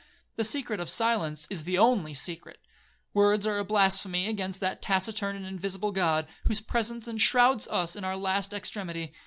The secret of silence is the only secret. Words are a blasphemy against that taciturn and invisible God, whose presence enshrouds us in our last extremity.